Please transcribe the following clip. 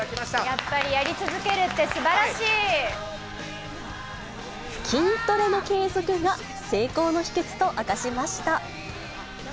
やっぱり、やり続けるってす筋トレの継続が成功の秘けつと明かしました。